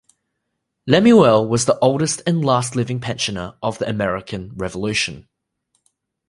Lemuel was the oldest and last living pensioner of the American Revolution.